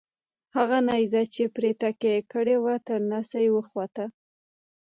هغه نیزه چې پرې تکیه یې کړې وه تر نس یې وخوته.